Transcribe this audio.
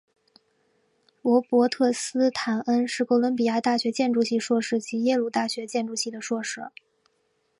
罗伯特斯坦恩是哥伦比亚大学建筑系硕士以及耶鲁大学建筑系的硕士。